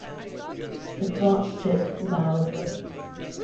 The clock ticked loudly.